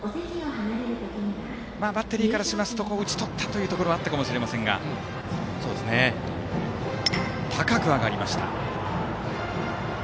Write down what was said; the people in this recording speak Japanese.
バッテリーからすると打ち取ったようなところがあったかもしれませんが打球が高く上がりました。